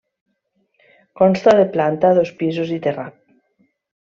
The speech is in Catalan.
Consta de planta, dos pisos i terrat.